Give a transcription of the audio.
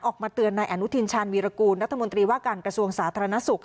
ออกมาเตือนนายอนุทินชาญวีรกูลรัฐมนตรีว่าการกระทรวงสาธารณสุข